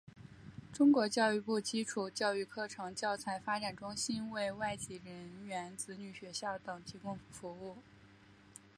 中国教育部基础教育课程教材发展中心为外籍人员子女学校等提供服务。